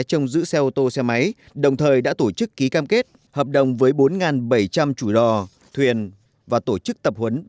các xe ô tô xe máy đồng thời đã tổ chức ký cam kết hợp đồng với bốn bảy trăm linh chủ đò thuyền và tổ chức tập huấn